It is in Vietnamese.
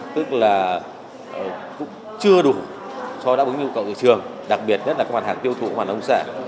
tức là cũng chưa đủ cho đáp ứng nhu cầu thị trường đặc biệt nhất là các bản hàng tiêu thụ các bản nông sản